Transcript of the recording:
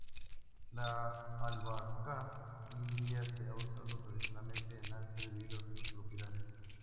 La albahaca india se ha usado tradicionalmente en Asia debido a sus propiedades.